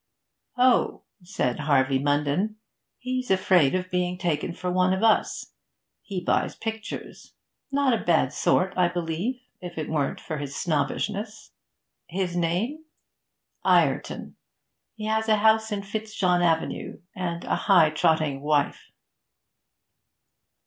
'Oh,' said Harvey Munden, 'he's afraid of being taken for one of us. He buys pictures. Not a bad sort, I believe, if it weren't for his snobbishness.' 'His name?' 'Ireton. Has a house in Fitzjohn Avenue, and a high trotting wife.'